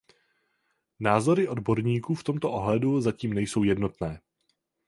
Názory odborníků v tomto ohledu zatím nejsou jednotné.